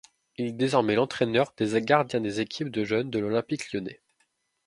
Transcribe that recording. Il est désormais l'entraîneur des gardiens des équipes de jeunes de l'Olympique lyonnais.